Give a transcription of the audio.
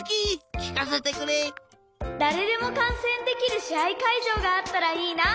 だれでもかんせんできるしあいかいじょうがあったらいいな！